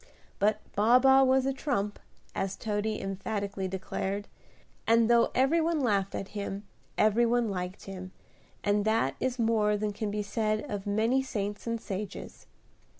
But Baa baa was a "trump," as Toady emphatically declared, and though every one laughed at him, every one liked him, and that is more than can be said of many saints and sages.